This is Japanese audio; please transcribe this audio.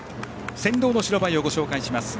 先導の白バイをご紹介します。